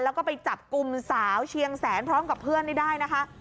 แล้วก็ไปจับกลุ่มสาวเชียงแสนพร้อมกับเพื่อนนี้ได้นะคะ